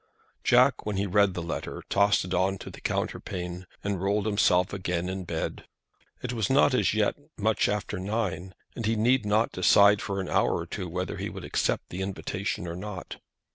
Jack, when he had read the letter, tossed it on to the counterpane, and rolled himself again in bed. It was not as yet much after nine, and he need not decide for an hour or two whether he would accept the invitation or not.